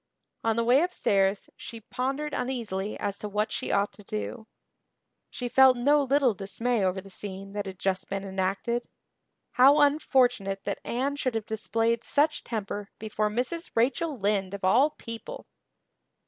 On the way upstairs she pondered uneasily as to what she ought to do. She felt no little dismay over the scene that had just been enacted. How unfortunate that Anne should have displayed such temper before Mrs. Rachel Lynde, of all people!